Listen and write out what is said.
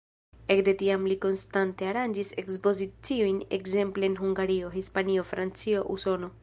Ekde tiam li konstante aranĝis ekspoziciojn ekzemple en Hungario, Hispanio, Francio, Usono.